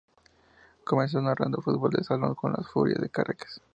Comenzó narrando fútbol de Salón con la furias de Caracas.